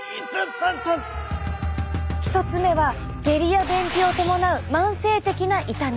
１つ目は下痢や便秘を伴う慢性的な痛み！